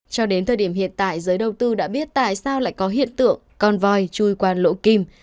cho đến thời điểm hiện tại giới đầu tư đã biết tại sao lại có hiện tượng con voi chui qua lỗ kim